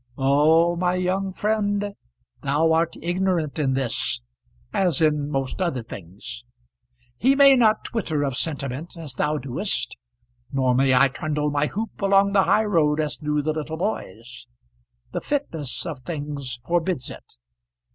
Oh, my young friend! thou art ignorant in this as in most other things. He may not twitter of sentiment, as thou doest; nor may I trundle my hoop along the high road as do the little boys. The fitness of things forbids it.